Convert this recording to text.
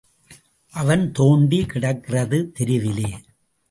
அவன் தோண்டி கிடக்கிறது தெருவிலே.